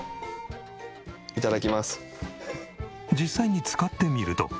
実際に使ってみると。